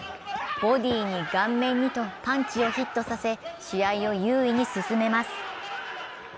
ボディに顔面にとパンチをヒットさせ、試合を優位に進めます。